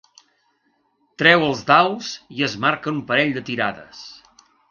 Treu els daus i es marca un parell de tirades.